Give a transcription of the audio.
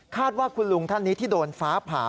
ว่าคุณลุงท่านนี้ที่โดนฟ้าผ่า